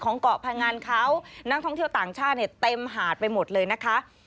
เกาะพังอันเขานักท่องเที่ยวต่างชาติเนี่ยเต็มหาดไปหมดเลยนะคะ